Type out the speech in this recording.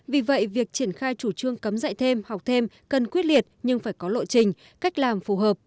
vì vậy việc triển khai chủ trương cấm dạy thêm học thêm cần quyết liệt nhưng phải có lộ trình cách làm phù hợp